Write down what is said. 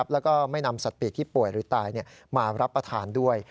แล้วก็ไม่นำสัตว์ปีกที่ป่วยหรือตายมารับประทานด้วย